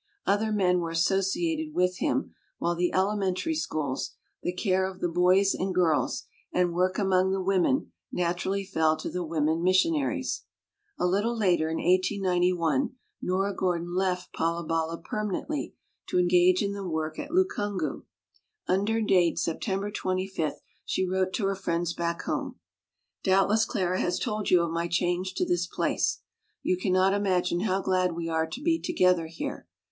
Other men were as sociated with him, while the elementary schools, the care of the boys and girls, and work among the women, naturally fell to the women missionaries. A little later in 1891 Nora Gordon left Palabala perma nently to engage in the work at Lukungu. Under date September 25 she wrote to her friends back home: "Doubtless Clara has told you of my change to this place. You can not imagine how glad we are to be to gether here.